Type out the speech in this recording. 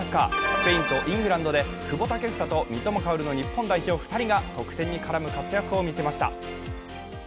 スペインとイングランドで久保建英と三笘薫の日本代表２人が得点に絡む活躍を見せました。